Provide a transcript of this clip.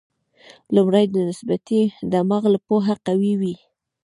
لومړی د نسبتي دماغ له پلوه قوي وي.